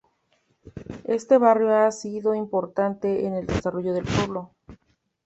Este barrio ha sido importante en el desarrollo del pueblo.